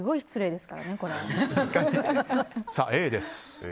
Ａです。